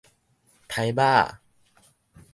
刣肉仔